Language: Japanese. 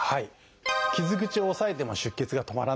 傷口を押さえても出血が止まらない場合。